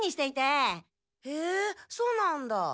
へえそうなんだ。